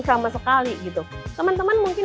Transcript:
sama sekali gitu teman teman mungkin